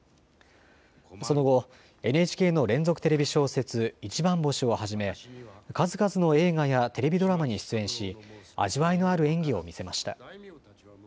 その後、ＮＨＫの連続テレビ小説いちばん星をはじめ数々の映画やテレビドラマに出演し味わいのある演技を見せました。